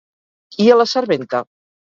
I a la serventa?